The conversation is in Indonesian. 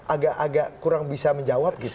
agak agak kurang bisa menjawab gitu